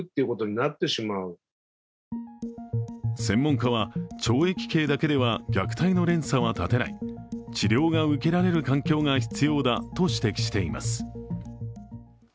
専門家は、懲役刑だけでは虐待の連鎖は断てない、治療が受けられる環境が必要だと指摘しています。